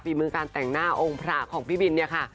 เมืองการแต่งหน้าองค์พระของพี่บินเนี่ยค่ะ